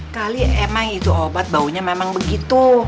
kali emang itu obat baunya memang begitu